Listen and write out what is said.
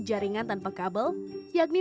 jaringan tanpa kabel yakni